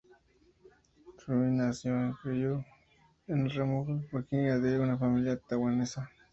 Wu nació y creció en Richmond, Virginia, de una familia taiwanesa.